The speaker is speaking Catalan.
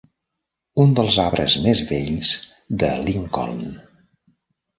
Un dels arbres més vells de Lincoln.